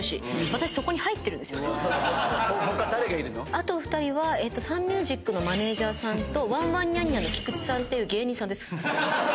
あと２人はサンミュージックのマネージャーさんとワンワンニャンニャンの菊地さんっていう芸人さんです。